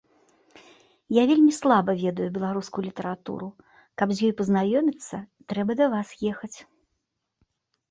Я вельмі слаба ведаю беларускую літаратуру, каб з ёй пазнаёміцца, трэба да вас ехаць.